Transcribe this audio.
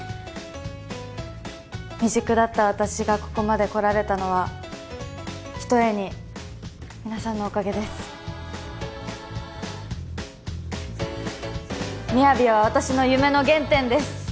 未熟だった私がここまで来られたのはひとえに皆さんのおかげです「ＭＩＹＡＶＩ」は私の夢の原点です